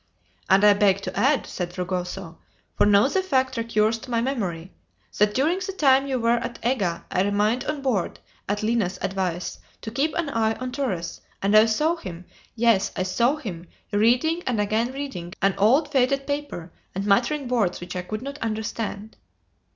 "And I beg to add," said Fragoso, "for now the fact recurs to my memory, that during the time you were at Ega I remained on board, at Lina's advice, to keep an eye on Torres, and I saw him yes, I saw him reading, and again reading, an old faded paper, and muttering words which I could not understand."